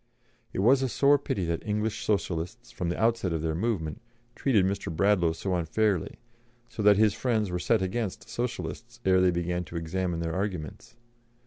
It was a sore pity that English Socialists, from the outset of their movement, treated Mr. Bradlaugh so unfairly, so that his friends were set against Socialists ere they began to examine their arguments.